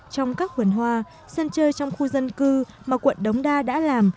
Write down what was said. trong các vườn hoa sân chơi trong khu dân cư mà quận đống đa đã làm